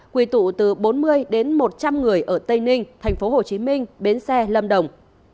quy tụ từ bốn mươi đến một trăm linh người ở tây ninh tp hcm bến xe lâm đồng